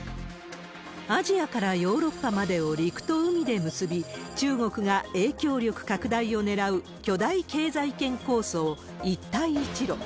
アジアからヨーロッパまでを陸と海で結び、中国が影響力拡大をねらう巨大経済圏構想、一帯一路。